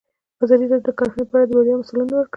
ازادي راډیو د کرهنه په اړه د بریاوو مثالونه ورکړي.